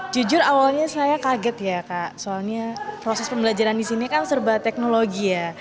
jujur awalnya saya kaget ya kak soalnya proses pembelajaran di sini kan serba teknologi ya